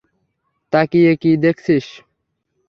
তাকিয়ে কী দেখছিস?